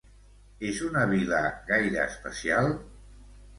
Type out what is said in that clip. És una vila gaire especial?